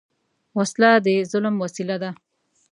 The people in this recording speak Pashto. وسله د ظلم وسیله ده